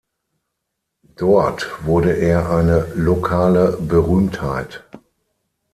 Dort wurde er eine lokale Berühmtheit.